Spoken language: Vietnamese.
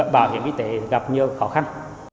bảo hiểm y tế gặp nhiều khó khăn